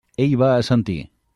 Ell va assentir.